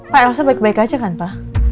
pak elsa baik baik aja kan pa